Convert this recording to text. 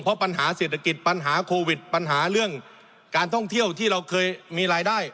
เพราะปัญหาเศรษฐกิจปัญหาโควิดปัญหาเรื่องการท่องเที่ยวที่เราเคยมีรายได้